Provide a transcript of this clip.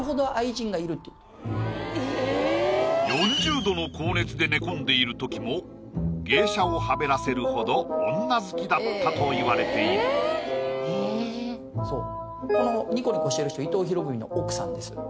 ただ４０℃の高熱で寝込んでいる時も芸者をはべらせるほど女好きだったといわれているこのにこにこしてる人伊藤博文の奥さんです